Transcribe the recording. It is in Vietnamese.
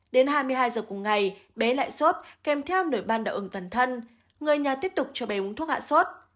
đến hai mươi hai h cùng ngày bé lại sốt kèm theo nổi ban đậu ứng toàn thân người nhà tiếp tục cho bé uống thuốc hạ sốt